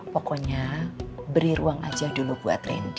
pokoknya beri ruang aja dulu buat randy